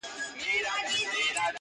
یار ګیله من له دې بازاره وځم,